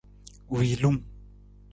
Wiilung.